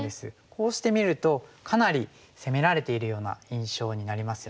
こうしてみるとかなり攻められているような印象になりますよね。